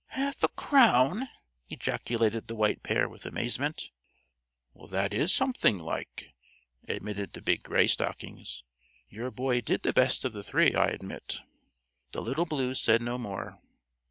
"Half a crown!" ejaculated the White Pair, with amazement. "That is something like," admitted the Big Gray Stockings. "Your boy did the best of the three, I admit." The Little Blues said no more.